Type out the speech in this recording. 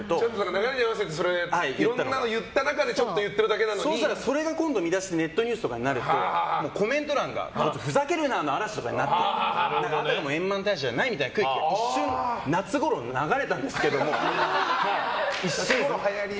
流れに合わせていろんなの言った中でそれが今度、見出しでネットニュースとかになるとコメント欄がふざけるな！の嵐になって円満退社じゃないみたいな空気が一瞬夏ごろに流れたんですけど。